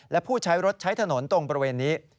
และผู้ใช้รถใช้ถนนตรงบริเวณนี้